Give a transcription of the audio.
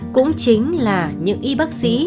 cũng chính là những y bác sĩ